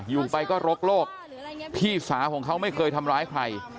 อยู่ไปก็รกโลกพี่สาวของเขาไม่เคยทำร้ายใคร